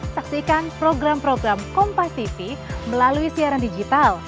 saksikan program program kompativ melalui siaran digital